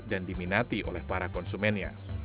dan diminati oleh para konsumennya